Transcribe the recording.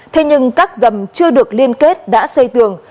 thế nhưng các dầm chưa được liên kết đã xây tường